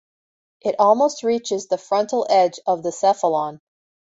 It almost reaches the frontal edge of the cephalon.